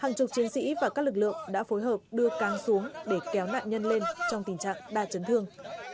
hàng chục chiến sĩ và các lực lượng đã phối hợp đưa cang xuống để kéo nạn nhân lên trong tình trạng đa chấn thương